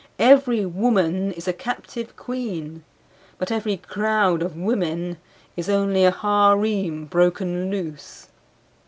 Every woman is a captive queen. But every crowd of women is only a harem broken loose.